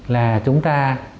là chúng ta